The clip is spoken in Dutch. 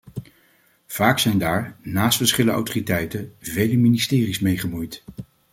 Vaak zijn daar, naast verschillende autoriteiten, vele ministeries mee gemoeid.